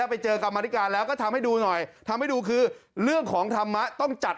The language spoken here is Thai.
ไปเจอกรรมธิการแล้วก็ทำให้ดูหน่อยทำให้ดูคือเรื่องของธรรมะต้องจัด